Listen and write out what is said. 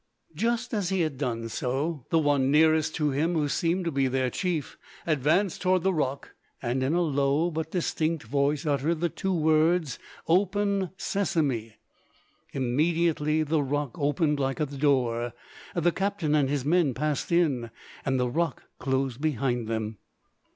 Just as he had done so, the one nearest to him, who seemed to be their chief, advanced toward the rock, and in a low but distinct voice uttered the two words, "Open, Sesamé!" Immediately the rock opened like a door, the captain and his men passed in, and the rock closed behind them.